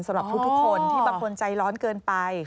สำหรับทุกคนที่บางคนใจร้อนเกินไป